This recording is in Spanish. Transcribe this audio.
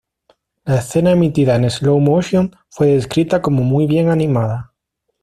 La escena emitida en slow-motion fue descrita como muy bien animada.